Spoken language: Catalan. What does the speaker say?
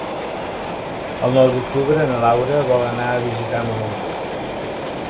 El nou d'octubre na Laura vol anar a visitar mon oncle.